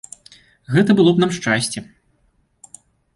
Гэта было б нам шчасце.